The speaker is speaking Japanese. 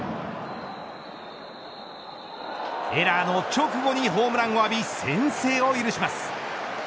エラーの直後にホームランを浴び先制を許します。